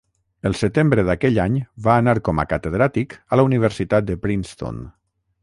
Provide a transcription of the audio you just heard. El setembre d'aquell any va anar com a catedràtic a la Universitat de Princeton.